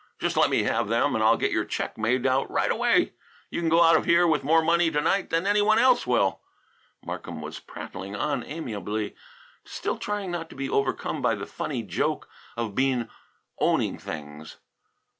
Just let me have them and I'll get your check made out right away; you can go out of here with more money to night than any one else will." Markham was prattling on amiably, still trying not to be overcome by the funny joke of Bean owning things.